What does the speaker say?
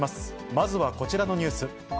まずはこちらのニュース。